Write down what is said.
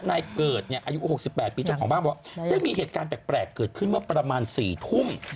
นายเกิดเนี่ยอายุ๖๘ปีเจ้าของบ้านบอกได้มีเหตุการณ์แปลกเกิดขึ้นเมื่อประมาณ๔ทุ่ม